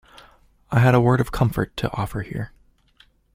I had a word of comfort to offer here.